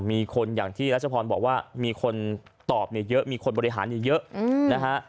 มีคนอย่างที่รัชพรบอกว่ามีคนตอบเนี่ยเยอะมีคนบริหารเยอะนะฮะ